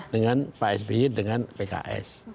dengan pak sby dengan pks